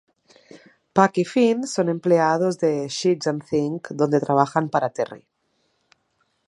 Puck y Finn son empleados en Sheets-N-Thing, donde trabajan para Terri.